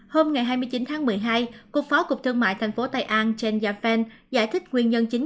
hôm hai mươi chín tháng một mươi hai cục phó cục thương mại thành phố tây an chen yafen giải thích nguyên nhân chính